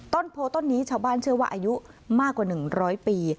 ต้นโพต้นนี้ชาวบ้านเชื่อว่าอายุมากกว่า๑๐๐ปี